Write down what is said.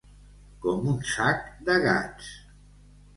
Com un sac de gats.